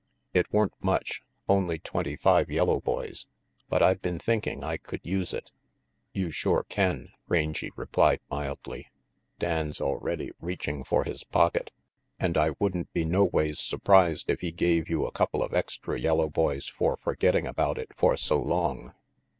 "It weren't much, only twenty five yellow boys, but I been thinking I could use it." "You shore can," Rangy replied mildly. "Dan's already reaching for his pocket, and I wouldn't be RANGY PETE 265 noways surprised if he gave you a couple of extra yellow boys for forgetting about it for so long."